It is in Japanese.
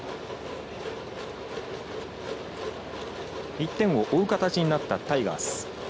１点を追う形になったタイガース。